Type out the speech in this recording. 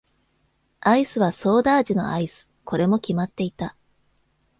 アイスはソーダ味のアイス。これも決まっていた。